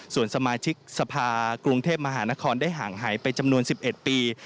ส่วนสมาชิกสภากรุงเทพมหานครได้ห่างหายไปจำนวน๑๑ปี